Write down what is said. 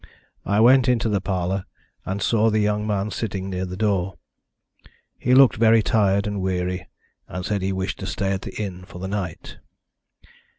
I went into the parlour, and saw the young man sitting near the door. He looked very tired and weary, and said he wished to stay at the inn for the night."